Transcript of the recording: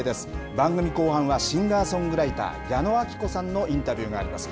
番組後半はシンガーソングライター、矢野顕子さんのインタビューがあります。